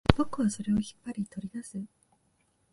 僕はそれを引っ張り、取り出す